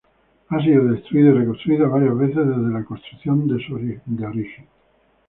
Ha sido destruida y reconstruida varias veces desde la construcción de origen.